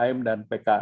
kemudian bantuan umkm